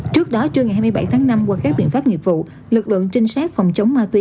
trước đó trưa ngày hai mươi bảy tháng năm qua các biện pháp nghiệp vụ lực lượng trinh sát phòng chống ma túy